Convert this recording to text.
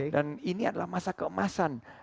dan ini adalah masa keemasan